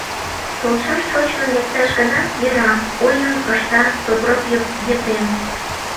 — Толшаш шочмын лекташ гынат, йӧра, — ойым ышта Сопром Епрем.